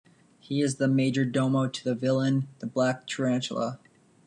He is the majordomo to the villain the Black Tarantula.